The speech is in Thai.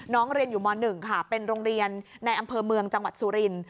เรียนอยู่ม๑ค่ะเป็นโรงเรียนในอำเภอเมืองจังหวัดสุรินทร์